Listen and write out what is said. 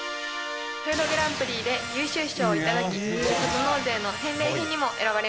フードグランプリで優秀賞を頂きふるさと納税の返礼品にも選ばれました。